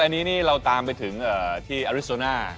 อันนี้นี่เราตามไปถึงที่อริโซน่า